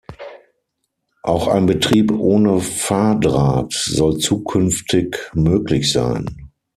Auch ein Betrieb ohne Fahrdraht soll zukünftig möglich sein.